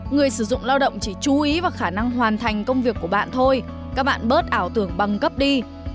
người sử dụng lao động chỉ chú ý vào khả năng hoàn thành công việc của bạn thôi các bạn bớt ảo tưởng bằng cấp đi